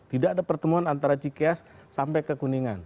tidak ada pertemuan antara cikeas sampai ke kuningan